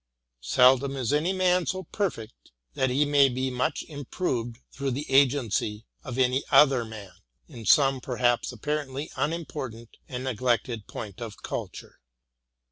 Seldom is any man so perfect, but he may be much improved through the agency of any other man, in some perhaps apparently unimportant or neglected point of culture.